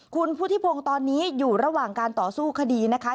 คุณพุทธิพงศ์ตอนนี้อยู่ระหว่างการต่อสู้คดีนะคะ